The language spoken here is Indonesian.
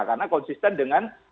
karena konsisten dengan